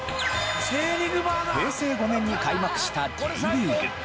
平成５年に開幕したＪリーグ。